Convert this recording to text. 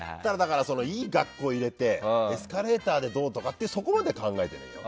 いい学校に入れてエスカレーターでどうとかそこまでは考えてないよ。